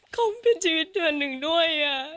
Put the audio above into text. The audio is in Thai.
เขาเป็นชีวิตเดือนหนึ่งด้วย